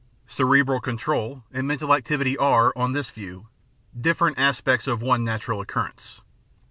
Cerebral control and mental activity are, on this view, differ ent aspects of one natural occurrence.